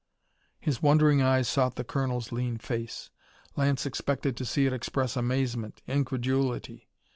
"_ His wondering eyes sought the colonel's lean face. Lance expected to see it express amazement, incredulity.